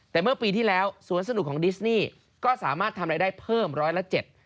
แต่เมื่อปีที่แล้วสวนสนุกของดิสนีย์ก็สามารถทำรายได้เพิ่ม๑๐๗บาท